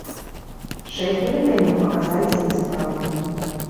Шэсць бюлетэняў аказаліся несапраўднымі.